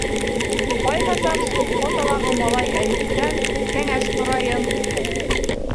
Ҡайһы саҡ шул фотолағы малай- Әйүптән кәңәш һорайым.